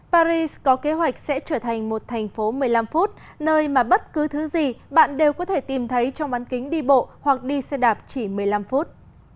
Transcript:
paris có kế hoạch sẽ trở thành một thành phố một mươi năm phút nơi mà bất cứ thứ gì bạn đều có thể tìm thấy trong bán kính đi bộ hoặc đi xe đạp chỉ một mươi năm phút